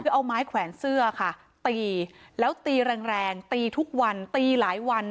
คือเอาไม้แขวนเสื้อค่ะตีแล้วตีแรงแรงตีทุกวันตีหลายวัน